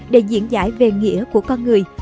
để diễn giải về nghĩa của con người